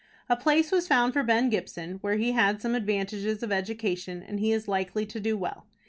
A place was found for Ben Gibson, where he had some advantages of education, and he is likely to do well.